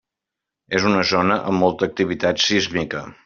És una zona amb molta activitat sísmica.